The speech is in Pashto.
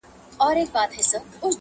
نور به د پېغلوټو د لونګ خبري نه کوو!.